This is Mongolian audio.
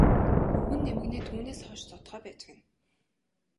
Өвгөн нь эмгэнээ түүнээс хойш зодохоо байж гэнэ.